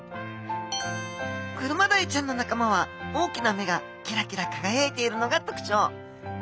クルマダイちゃんの仲間は大きな目がキラキラ輝いているのが特徴。